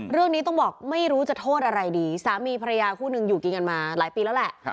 เรื่องนี้ต้องบอกไม่รู้จะโทษอะไรดีสามีภรรยาคู่หนึ่งอยู่กินกันมาหลายปีแล้วแหละ